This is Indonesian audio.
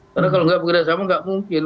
karena kalau enggak bekerja sama enggak mungkin